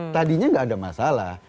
tadinya gak ada masalah